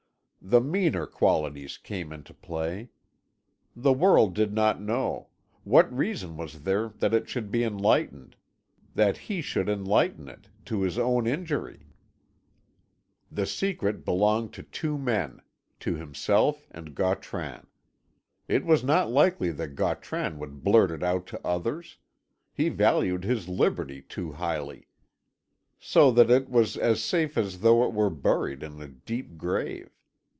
The meaner qualities came into play. The world did not know; what reason was there that it should be enlightened that he should enlighten it, to his own injury? The secret belonged to two men to himself and Gautran. It was not likely that Gautran would blurt it out to others; he valued his liberty too highly. So that it was as safe as though it were buried in a deep grave.